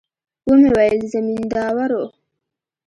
ومې ويل د زمينداورو.